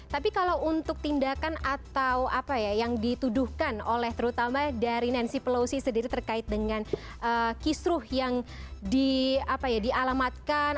tapi kalau untuk tindakan atau apa ya yang dituduhkan oleh terutama dari nancy pelosi sendiri terkait dengan kisruh yang dialamatkan